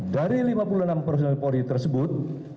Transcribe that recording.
dari lima puluh enam personil polri tersebut